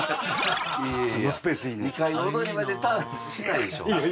２階の踊り場でターンしないでしょ。